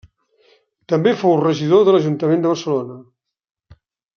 També fou regidor de l'ajuntament de Barcelona.